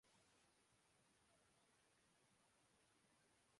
دوسروں کو آگے لے جائیں گے تو فطرت آپ کو آگے رکھے گی